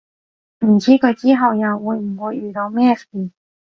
唔知佢之後又會唔會遇到咩事